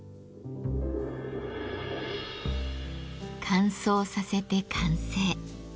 乾燥させて完成。